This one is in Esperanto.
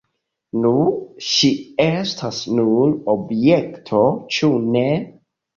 Nu, ŝi estas nur objekto, ĉu ne?